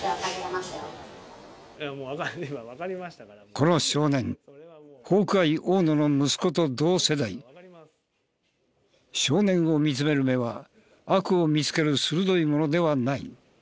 この少年ホークアイ大野の少年を見つめる目は悪を見つける鋭いものではない。